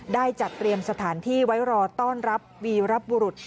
ได้จัดเตรียมสถานที่ไว้รอต้อนรับวีรบุรุษ